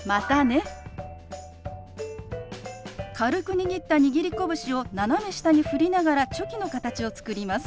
軽く握った握り拳を斜め下に振りながらチョキの形を作ります。